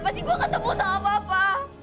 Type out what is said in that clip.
pasti gue ketemu sama bapak